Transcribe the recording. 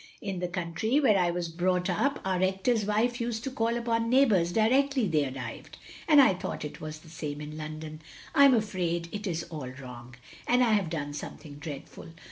" In the country, where I was brought up, otir Rector's wife used to call upon neighbours directly they arrived, and I thought it was the same in London. I am afraid it is all wrong, and I have done something dreadful.